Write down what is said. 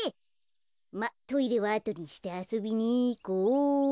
まあトイレはあとにしてあそびにいこうっと。